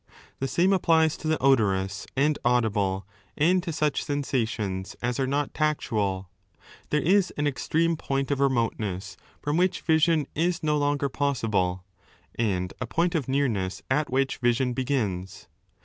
The same applies to the odorous and audible and to such sensations as are not tactuaL There is an extreme point of remoteness from which vision is no longer possible, and a point of nearness at which vision begins.